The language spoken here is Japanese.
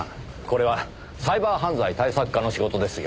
これはサイバー犯罪対策課の仕事ですよ。